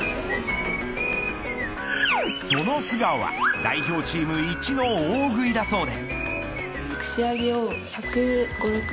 その素顔は代表チーム一の大食いだそうで。